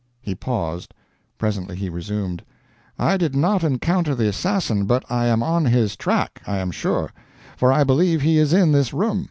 He paused. Presently he resumed: "I did not encounter the assassin, but I am on his track, I am sure, for I believe he is in this room.